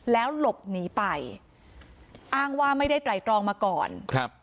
แล้วหลบหนีไปอ้างว่าไม่ได้ไตรตรองมาก่อนครับ